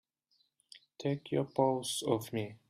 Take your paws off me!